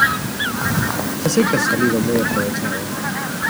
Ya sé que has salido muy aprovechado.